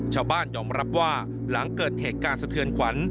ยอมรับว่าหลังเกิดเหตุการณ์สะเทือนขวัญ